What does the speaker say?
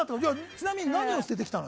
ちなみに何を捨ててきたの？